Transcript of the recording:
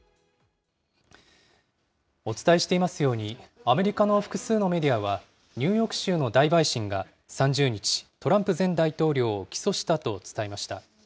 お伝えしていますように、アメリカの複数のメディアは、ニューヨーク州の大陪審が３０日、トランプ前大統領を起訴したと伝えました。